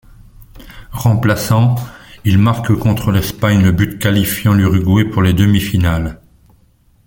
Remplaçant, il marque contre l'Espagne le but qualifiant l'Uruguay pour les demi-finales.